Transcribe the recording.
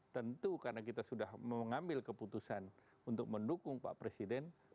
tentu karena kita sudah mengambil keputusan untuk mendukung pak presiden